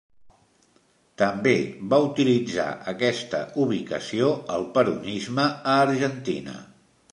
També va utilitzar aquesta ubicació el peronisme a Argentina.